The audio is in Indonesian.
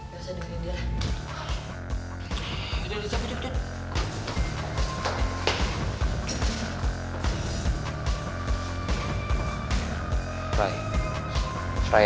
gak usah dengerin dia lah